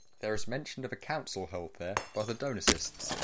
There is mention of a council held there by the Donatists.